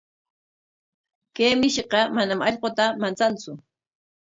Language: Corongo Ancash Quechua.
Kay mishiqa manam allquta manchantsu.